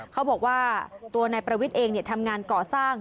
เขาบอกว่าตัวนายประวิทย์เองทำงานก่อสร้าง